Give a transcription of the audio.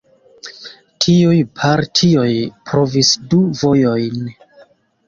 Tiuj partioj provis du vojojn.